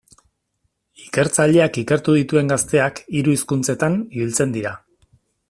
Ikertzaileak ikertu dituen gazteak hiru hizkuntzetan ibiltzen dira.